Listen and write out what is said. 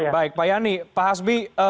baik pak yani pak hasbi